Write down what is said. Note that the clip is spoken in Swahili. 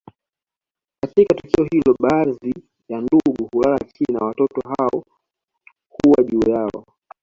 Katika tukio hilo baadhi ya ndugu hulala chini na watoto hao huwa juu yao